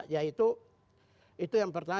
yaitu itu yang pertama